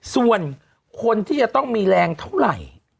ส่วนคนที่จะต้องมีแรงเท่าไหร่